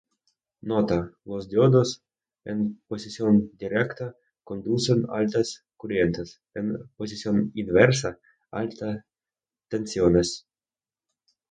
Nota:los diodos en posición directa conducen altas corrientes, en posición inversa alta tensiones.